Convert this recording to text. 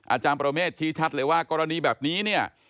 อาจารย์ประเมฆชี้ชัดเลยว่ากรณีแบบนี้เนี่ย